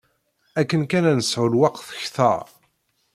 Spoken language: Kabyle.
Akken kan ad nesɛu lweqt kter.